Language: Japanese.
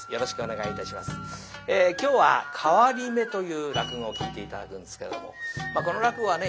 今日は「代り目」という落語を聴いて頂くんですけれどもこの落語はね